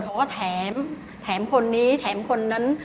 เขาก็แถมแถมคนนี้แถมคนนั้น